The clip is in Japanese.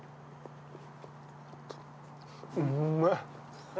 うめえ！